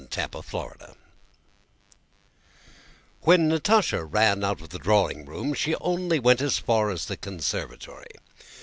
CHAPTER XIII When Natásha ran out of the drawing room she only went as far as the conservatory.